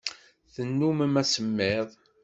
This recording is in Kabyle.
Tennummem asemmiḍ.